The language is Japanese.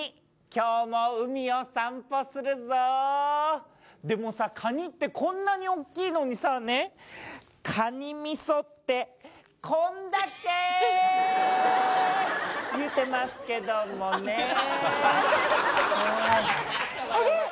今日も海を散歩するぞでもさカニってこんなにおっきいのにさねっカニ味噌ってこんだけ言うてますけどもねあれ？